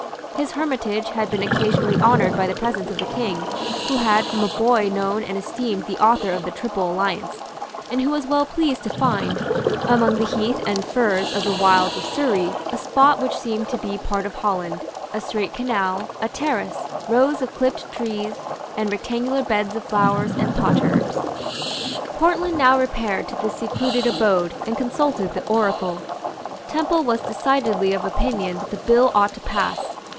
His hermitage had been occasionally honoured by the presence of the King, who had from a boy known and esteemed the author of the Triple Alliance, and who was well pleased to find, among the heath and furze of the wilds of Surrey, a spot which seemed to be part of Holland, a straight canal, a terrace, rows of clipped trees, and rectangular beds of flowers and potherbs. Portland now repaired to this secluded abode and consulted the oracle. Temple was decidedly of opinion that the bill ought to pass.